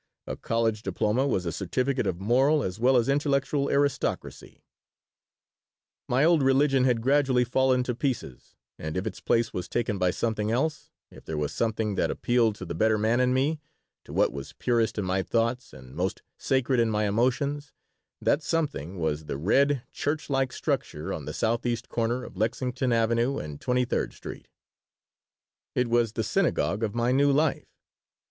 A college diploma was a certificate of moral as well as intellectual aristocracy My old religion had gradually fallen to pieces, and if its place was taken by something else, if there was something that appealed to the better man in me, to what was purest in my thoughts and most sacred in my emotions, that something was the red, church like structure on the southeast corner of Lexington Avenue and Twenty third Street It was the synagogue of my new life.